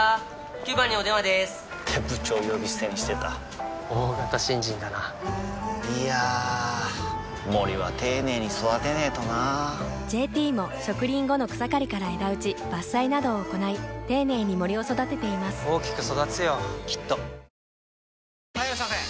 ９番にお電話でーす！って部長呼び捨てにしてた大型新人だないやー森は丁寧に育てないとな「ＪＴ」も植林後の草刈りから枝打ち伐採などを行い丁寧に森を育てています大きく育つよきっと・はいいらっしゃいませ！